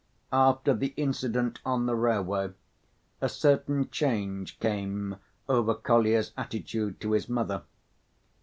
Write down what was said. After the incident on the railway a certain change came over Kolya's attitude to his mother.